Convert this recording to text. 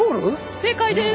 正解です。